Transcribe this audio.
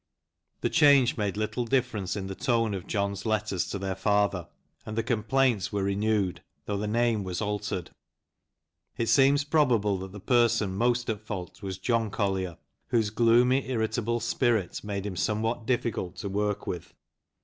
The change made little ii8 BYGONE LANCASHIRE. difference in the tone of John's letters to their father, and the complaints were renewed, though the name was altered. It seems probable that the person most at fault was John Collier, whose gloomy, irritable spirit made him somewhat difficult to work with.